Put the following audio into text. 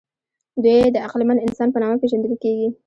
دوی د عقلمن انسان په نامه پېژندل کېږي.